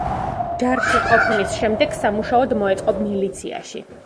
ჯარში ყოფნის შემდეგ სამუშაოდ მოეწყო მილიციაში.